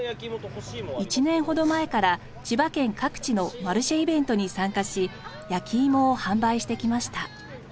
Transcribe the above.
１年ほど前から千葉県各地のマルシェイベントに参加し焼き芋を販売してきました。